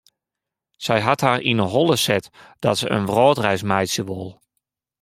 Sy hat har yn 'e holle set dat se in wrâldreis meitsje wol.